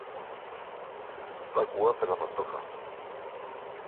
Fa cua per la Pantoja.